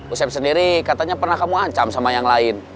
usep sendiri katanya pernah kamu ancam sama yang lain